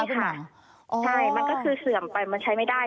ใช่มันก็คือเสื่อมไปมันใช้ไม่ได้